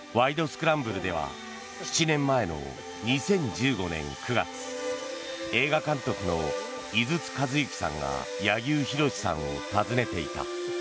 スクランブル」では７年前の２０１５年９月映画監督の井筒和幸さんが柳生博さんを訪ねていた。